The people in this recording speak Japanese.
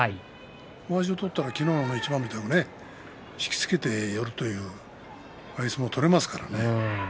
まわしを取ったら昨日の一番みたいに、引きつけて寄るというああいう相撲を取れますからね。